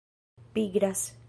pigras